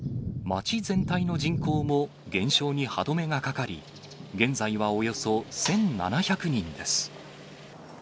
町全体の人口も減少に歯止めがかかり、現在はおよそ１７００人です。